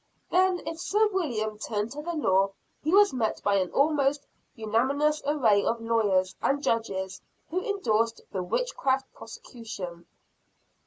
Then if Sir William turned to the law, he was met by an almost unanimous array of lawyers and judges who endorsed the witchcraft prosecution.